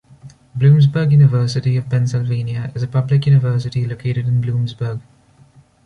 Bloomsburg University of Pennsylvania is a public university located in Bloomsburg.